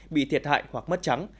bị thiệt hại hoặc mất trắng